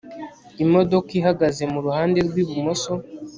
imodoka ihagaze mu ruhande rw'ibumoso